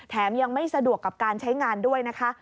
ยังไม่สะดวกกับการใช้งานด้วยนะคะ